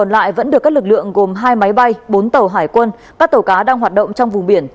còn lại vẫn được các lực lượng gồm hai máy bay bốn tàu hải quân các tàu cá đang hoạt động trong vùng biển